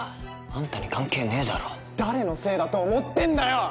あんたに関係ねえだろ誰のせいだと思ってんだよ！